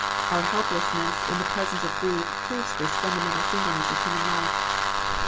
Our helpless ness in the presence of grief proves this fundamental singleness of human life.